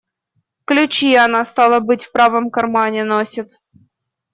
Ключи она, стало быть, в правом кармане носит.